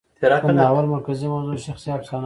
د ناول مرکزي موضوع شخصي افسانه ده.